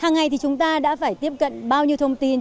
hàng ngày thì chúng ta đã phải tiếp cận bao nhiêu thông tin